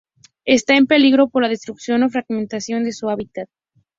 Está en peligro por la destrucción o fragmentación de su hábitat.